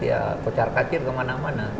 ya pecar cacir kemana mana